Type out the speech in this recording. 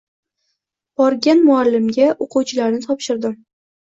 Borgan muallimga o‘quvchilarni topshirdim.